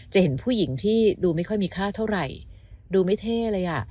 เห็นผู้หญิงที่ดูไม่ค่อยมีค่าเท่าไหร่ดูไม่เท่เลยอ่ะ